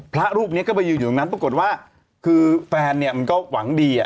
พระรูปนี้ก็ไปยืนอยู่ตรงนั้นปรากฏว่าคือแฟนเนี่ยมันก็หวังดี